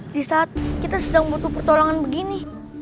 di saat kita sedang butuh pertolongan begini